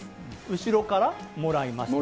後ろからもらいました。